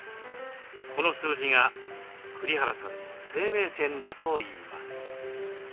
この数字が栗原さんの生命線だといいます。